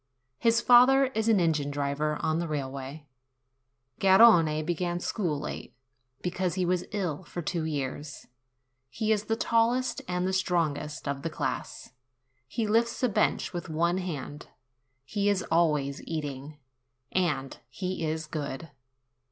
His father is an engine driver on the railway. Garrone began school late, because he was ill for two years. He is the tallest and the strongest of the class; he lifts a bench with one hand; he is always eating; and he is good.